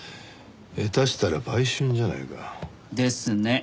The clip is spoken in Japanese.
下手したら売春じゃないか。ですね。